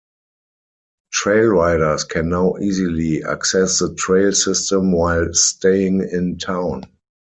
Trail Riders can now easily access the trail system while staying in town.